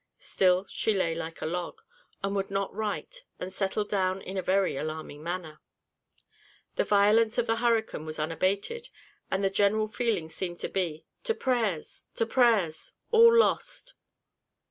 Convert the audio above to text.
Still she lay like a log, and would not right, and settled down in a very alarming manner. The violence of the hurricane was unabated, and the general feeling seemed be, "To prayers! to prayers! all lost!"